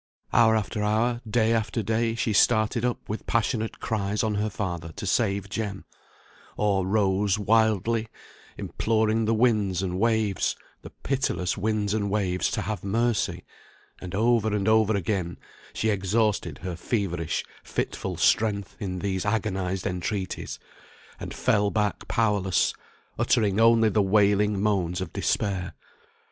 Hour after hour, day after day, she started up with passionate cries on her father to save Jem; or rose wildly, imploring the winds and waves, the pitiless winds and waves, to have mercy; and over and over again she exhausted her feverish fitful strength in these agonised entreaties, and fell back powerless, uttering only the wailing moans of despair.